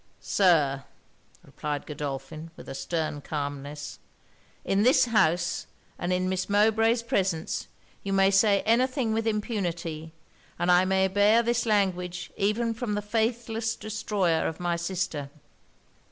'Sir,' replied Godolphin, with a stern calmness 'in this house, and in Miss Mowbray's presence, you may say any thing with impunity, and I may bear this language even from the faithless destroyer of my sister.'